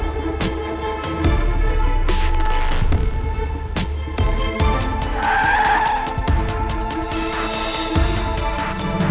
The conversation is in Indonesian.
lu tungguin gue ya